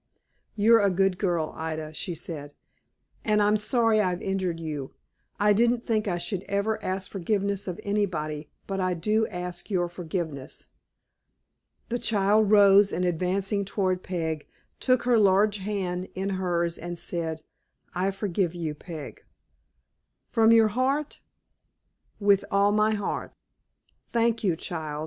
"You're a good girl, Ida," she said; "and I'm sorry I've injured you. I didn't think I should ever ask forgiveness of anybody; but I do ask your forgiveness." The child rose, and advancing towards Peg, took her large hand in her's and said, "I forgive you, Peg." "From your heart?" "With all my heart." "Thank you, child.